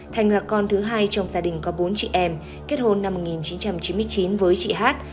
thành là con thứ hai trong gia đình có bốn chị em kết hôn năm một nghìn chín trăm chín mươi chín với chị hát